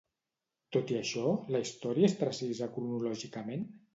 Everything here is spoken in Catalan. Tot i això, la història és precisa cronològicament?